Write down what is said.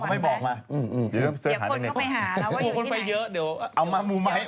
เขาไม่บอกจังหวังอย่าเพิ่งเข้าไปหาเราว่าอยู่ที่ไหน